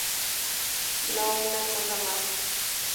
No una cosa más.